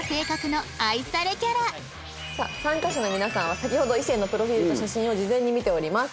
さあ参加者の皆さんは先ほど異性のプロフィールと写真を事前に見ております。